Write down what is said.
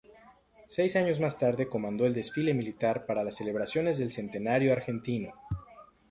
Seis años más tarde comandó el desfile militar para las celebraciones del centenario argentino.